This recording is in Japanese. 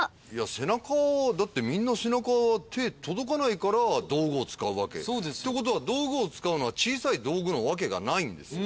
背中だってみんな背中は手届かないから道具を使うわけ。ってことは道具を使うのは小さい道具のわけがないんです。